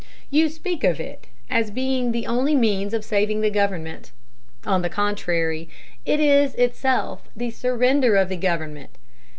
"You speak of it as being the only means of saving the government. On the contrary, it is itself the surrender of the government.